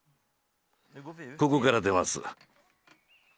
ここから出ます。